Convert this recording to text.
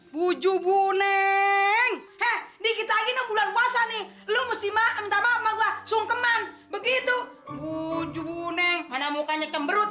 bujubuneng eh dikit lagi nombor puasa nih lo mesti mah sama gua sungkeman begitu wujudwun mang mana mukanya cemberut